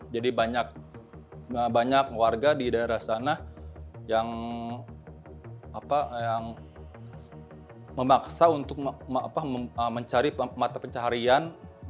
jadi banyak warga di daerah sana yang memaksa untuk mencari mata pencaharian